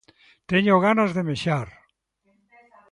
Teño ganas de mexar.